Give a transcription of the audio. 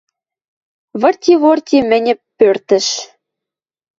Вырти-ворти мӹньӹ пӧртӹш: